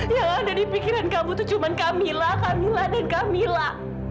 yang ada di pikiran kamu itu cuma kamila kamila dan kamila